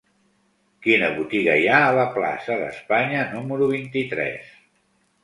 Quina botiga hi ha a la plaça d'Espanya número vint-i-tres?